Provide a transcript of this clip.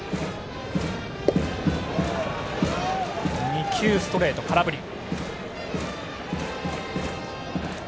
２球、ストレートで空振り。